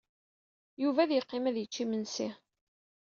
Yuba ad yeqqim ad yečč imensi.